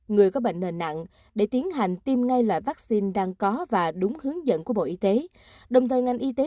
người có bệnh nền nặng để tiến hành tiêm ngay loại vaccine đang có và đúng hướng dẫn của bộ y tế